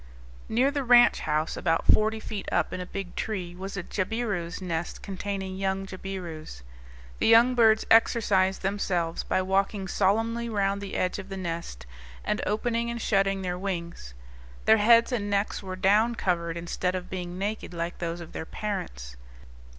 Near the ranch house, about forty feet up in a big tree, was a jabiru's nest containing young jabirus. The young birds exercised themselves by walking solemnly round the edge of the nest and opening and shutting their wings. Their heads and necks were down covered, instead of being naked like those of their parents.